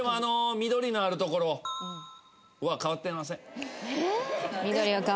緑のある所は変わってません？